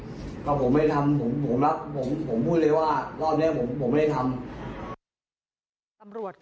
ก็ผมไม่ได้ทำผมรับผมพูดเลยว่ารอบนี้ผมไม่ได้ทำ